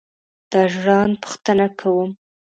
دا ژړاند پوښتنه کوم.